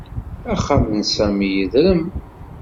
Axxam n Sami yedrem